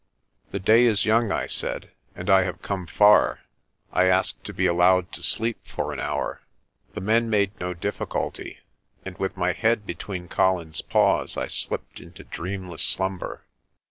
"The day is young," I said, "and I have come far. I ask to be allowed to sleep for an hour." The men made no difficulty, and with my head between Colin's paws I slipped into dreamless slumber.